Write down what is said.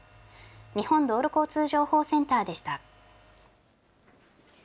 日本道路交通情報センターでした。